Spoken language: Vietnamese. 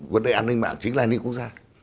vấn đề an ninh mạng chính là an ninh quốc gia